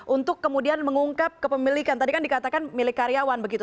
untuk kemudian mengungkap kepemilikan tadi kan dikatakan milik karyawan begitu